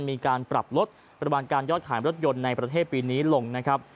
มีการปรับลดปริมาณการยอดขายรถยนต์ในประเทศปีนี้ลงนะครับ